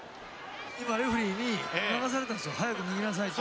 今レフェリーに促されたんですよ早く脱ぎなさいと。